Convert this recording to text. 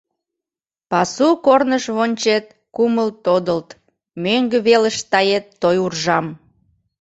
Пасу корныш вончет, кумыл тодылт, мӧҥгӧ велыш тает той уржам…